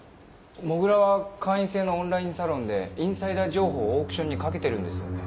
土竜は会員制のオンラインサロンでインサイダー情報をオークションにかけてるんですよね？